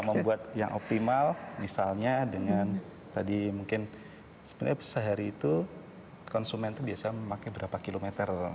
membuat yang optimal misalnya dengan tadi mungkin sebenarnya sehari itu konsumen itu biasa memakai berapa kilometer